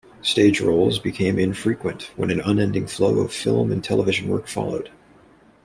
Stage roles became infrequent when an unending flow of film and television work followed.